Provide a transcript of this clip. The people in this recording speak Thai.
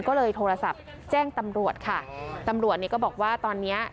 ก็เลยโทรศัพท์แจ้งตำรวจค่ะตำรวจเนี่ยก็บอกว่าตอนเนี้ย